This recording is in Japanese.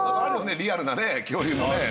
リアルなね恐竜のね何かね。